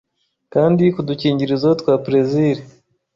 kandi ku dukingirizo twa Plaisir